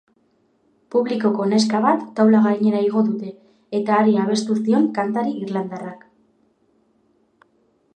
Publikoko neska bat taula gainera igo dute eta hari abestu zion kantari irlandarrak.